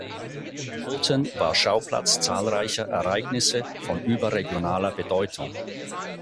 Alton war Schauplatz zahlreicher Ereignisse von überregionaler Bedeutung.